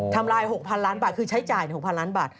ทำลาย๖๐๐ล้านบาทคือใช้จ่าย๖๐๐ล้านบาท